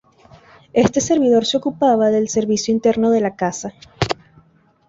Este servidor se ocupaba del servicio interno de la casa.